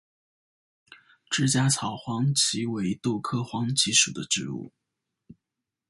直荚草黄耆为豆科黄芪属的植物。